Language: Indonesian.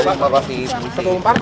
ada beginian pak